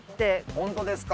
本当ですか？